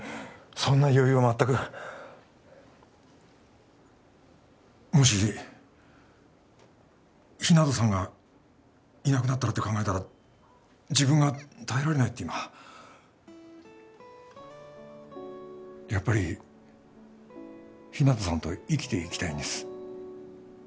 そんな余裕は全くもし日向さんがいなくなったらって考えたら自分が耐えられないって今やっぱり日向さんと生きていきたいんです